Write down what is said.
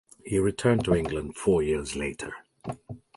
He returned to England four years later.